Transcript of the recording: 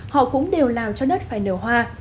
họ cũng đều làm cho đất phải nở hoa